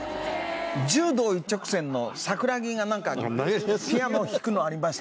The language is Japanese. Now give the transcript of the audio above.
『柔道一直線』の桜木がなんかピアノを弾くのありましたね。